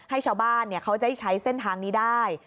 ให้ชาวบ้านเขาได้ใช้เส้นทางนี้ได้